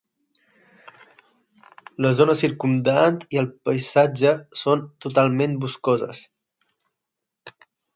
La zona circumdant i el paisatge són totalment boscoses.